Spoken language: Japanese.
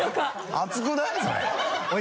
熱くない？